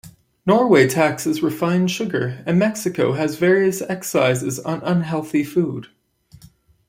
Norway taxes refined sugar, and Mexico has various excises on unhealthy food.